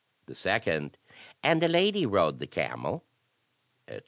The second: And a lady rode the camel," etc.